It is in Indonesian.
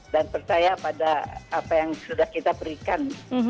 dan percaya pada apa yang sudah kita berikan